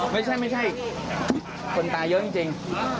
ไม่ใช่คนตายเยอะจริง